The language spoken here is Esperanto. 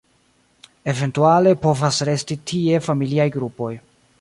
Eventuale povas resti tie familiaj grupoj.